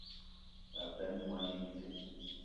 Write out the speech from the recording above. Me benn moni ite